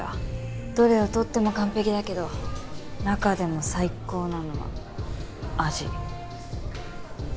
どれを取っても完璧だけど中でも最高なのは味。